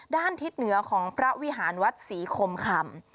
ทิศเหนือของพระวิหารวัดศรีคมคำ